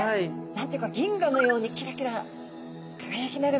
何て言うか銀河のようにキラキラ輝きながら泳いでますね。